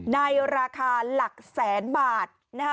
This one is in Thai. ในราคาหลักแสนบาท